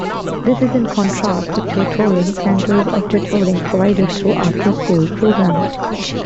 This is in contrast to tutoring centers or tutoring provided through after-school programs.